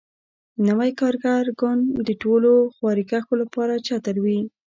نوی کارګر ګوند د ټولو خواریکښو لپاره چتر وي.